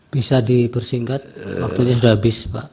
bisa dipersingkat waktunya sudah habis pak